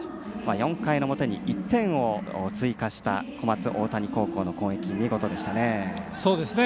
４回の表に１点を追加した小松大谷の攻撃、見事でしたね。